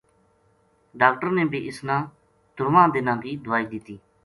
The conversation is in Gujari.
ڈاکٹڑ نے بھی اس نا ترواں دِناں کی دائی دِتی